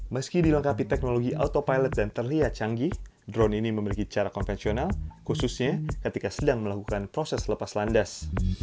meski dilengkapi teknologi autopilot dan terlihat canggih drone ini memiliki cara konvensional khususnya ketika sedang melakukan proses lepas landas